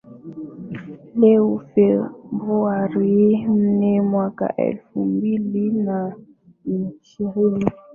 leo Februari nne mwaka elfumbili na ishirini